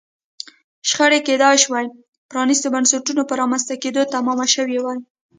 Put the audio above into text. شخړې کېدای شوای پرانیستو بنسټونو په رامنځته کېدو تمامه شوې وای.